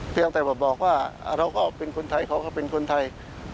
เพียงแต่บอกว่าเราก็เป็นคนไทยเขาก็เป็นคนไทย